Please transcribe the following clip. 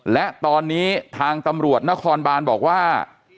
และตอนนี้ทางตำรวจนครบานบอกว่า